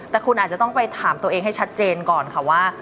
แต่คุณอาจจะต้องไปถามตัวเองให้ชัดเจนก่อนค่ะว่า